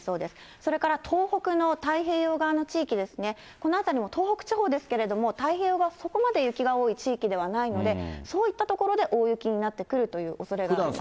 それから東北の太平洋側の地域ですね、この辺りも東北地方ですけれども、太平洋側、そこまで雪が多い地域ではないので、そういった所で大雪になってくるというおそれがあります。